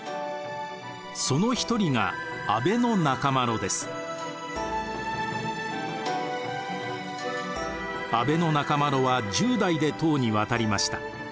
その一人が阿倍仲麻呂は１０代で唐に渡りました。